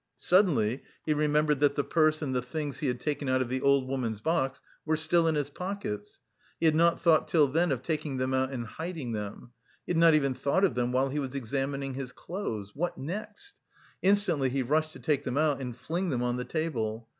Suddenly he remembered that the purse and the things he had taken out of the old woman's box were still in his pockets! He had not thought till then of taking them out and hiding them! He had not even thought of them while he was examining his clothes! What next? Instantly he rushed to take them out and fling them on the table.